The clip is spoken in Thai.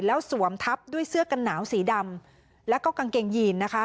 แล้วสวมทับด้วยเสื้อกันหนาวสีดำแล้วก็กางเกงยีนนะคะ